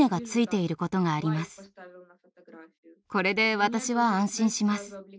これで私は安心します。